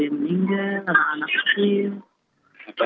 tinggal anak anak kecil